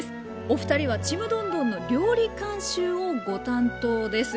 お二人は「ちむどんどん」の料理監修をご担当です。